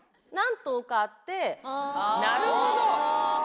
なるほど。